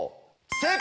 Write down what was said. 正解！